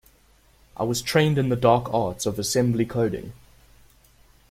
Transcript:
I was trained in the dark arts of assembly coding.